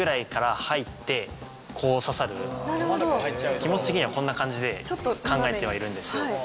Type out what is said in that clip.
気持ち的にはこんな感じで考えてはいるんですよ。